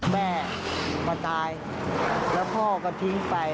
แม่มาตายแล้วพ่อก็ทิ้งไป